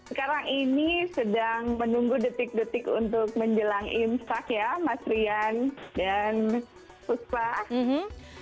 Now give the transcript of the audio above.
sekarang ini sedang menunggu detik detik untuk menjelang imsak ya mas rian dan puspa